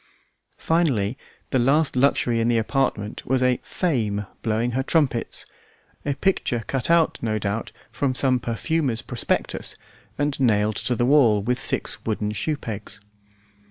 Finally, the last luxury in the apartment was a "Fame" blowing her trumpets, a picture cut out, no doubt, from some perfumer's prospectus and nailed to the wall with six wooden shoe pegs.